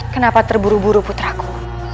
kenapa terburu buru putraku